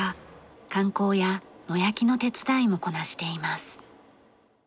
観光や野焼きの手伝いもこなしています。